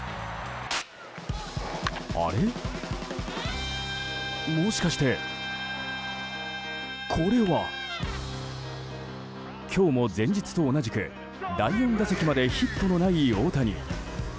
あれ、もしかしてこれは。今日も前日と同じく第４打席までヒットのない大谷。